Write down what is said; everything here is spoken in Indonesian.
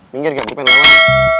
minggir gak dipercaya sama lo